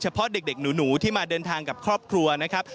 เพราะเด็กหนูที่มาเดินทางกับครอบครัวนะครับ